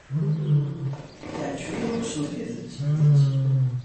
Yeɛjeb-iyi usmel-nnem s tidet.